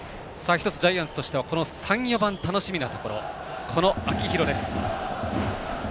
ジャイアンツとしては３、４番が楽しみなところこの秋広です。